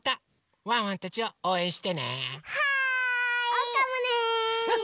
おうかもね！